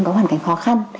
có hoàn cảnh khó khăn